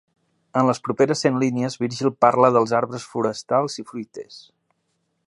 En les properes cent línies Virgil parla dels arbres forestals i fruiters.